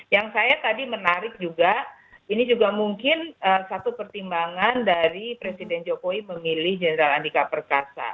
yang saya tadi menarik juga ini juga mungkin satu pertimbangan dari presiden jokowi memilih jenderal andika perkasa